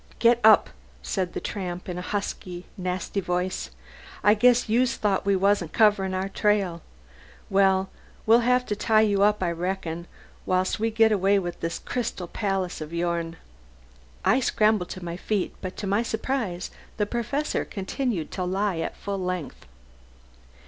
"Get up!" said the tramp in a husky, nasty voice. "I guess youse thought we wasn't covering our trail? Well, we'll have to tie you up, I reckon, while we get away with this Crystal Pallis of yourn." I scrambled to my feet, but to my surprise the Professor continued to lie at full length.